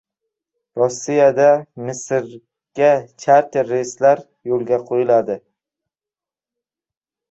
Rossiyada Misrga charter reyslari yo‘lga qo‘yiladi